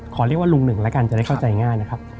ขอเรียกว่าลุงหนึ่งแล้วกันจะได้เข้าใจง่ายนะครับ